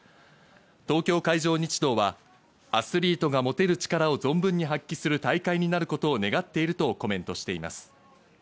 東京海上日動はアスリートが持てる力を存分に発揮する大会になることを願っているとコメントしています。